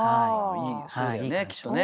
いいねそうだよねきっとね。